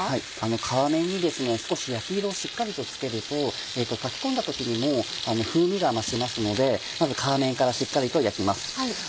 皮面に少し焼き色をしっかりとつけると炊き込んだ時にも風味が増しますのでまず皮面からしっかりと焼きます。